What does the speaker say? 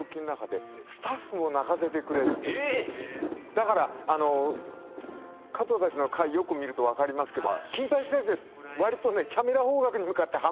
だから加藤たちの回よく見ると分かりますけど。